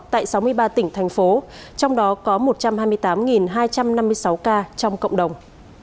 tại sáu mươi ba tỉnh thành phố trong đó có một trăm hai mươi tám hai trăm năm mươi sáu ca trong cộng đồng